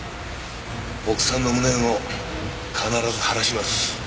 奥さんの無念を必ず晴らします。